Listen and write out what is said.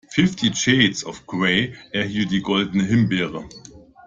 Fifty Shades of Grey erhielt die Goldene Himbeere.